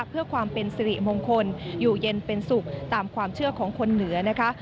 เพื่อความเป็นสิริมงคลอยู่เย็นเป็นสุขตามความเชื่อของคนเหนือนะคะ